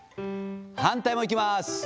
反対もいきます。